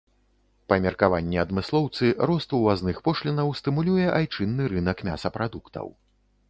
Па меркаванні адмыслоўцы, рост увазных пошлінаў стымулюе айчынны рынак мясапрадуктаў.